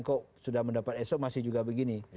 kok sudah mendapat esok masih juga begini